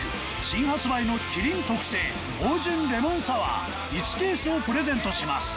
新発売の麒麟特製豊潤レモンサワー１ケースをプレゼントします。